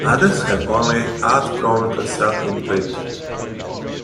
Others have only half thrown themselves into it.